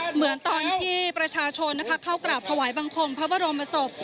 เหมือนตอนที่ประชาชนเข้ากราบถวายบังคมพระบรมศพ